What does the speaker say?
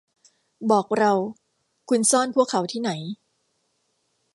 บอกเรา - คุณซ่อนพวกเขาที่ไหน